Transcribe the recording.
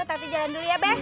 tanti jalan dulu ya be